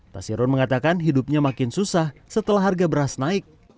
tasirun mengatakan hidupnya makin susah setelah harga beras naik